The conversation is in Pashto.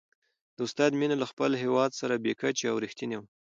د استاد مینه له خپل هېواد سره بې کچې او رښتینې وه.